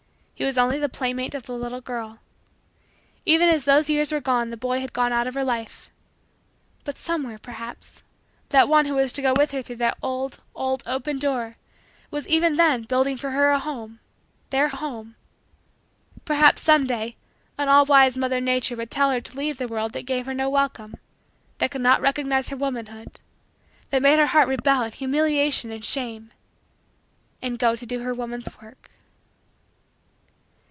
He was only the playmate of the little girl. Even as those years were gone the boy had gone out of her life. But somewhere, perhaps, that one who was to go with her through the old, old, open door was even then building for her a home their home. Perhaps, some day, an all wise Mother Nature would tell her to leave the world that gave her no welcome that could not recognize her womanhood that made her heart rebel in humiliation and shame and go to do her woman's work.